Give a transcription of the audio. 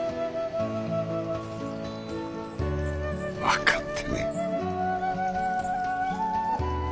分かってねえ。